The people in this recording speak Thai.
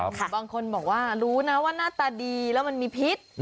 บางคนบอกว่ารู้นะว่าหน้าตาดีแล้วมันมีพิษ